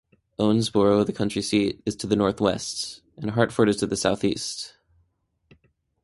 Owensboro, the county seat, is to the northwest, and Hartford is to the southeast.